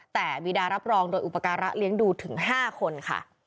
แต่บีดารับรองโดยอุปการะเลี้ยงดูถึง๕คนค่ะ